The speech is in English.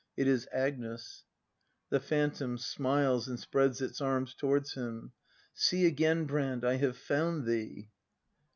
It is Agnes. The Phantom. \Smiles, and spreads its arms towards himi\ See, again. Brand, I have found thee!